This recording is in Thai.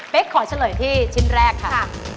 เป็นขอเฉลยที่ชิ้นแรกค่ะ